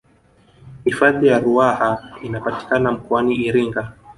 hifadhi ya ruaha inapatikana mkoani iringa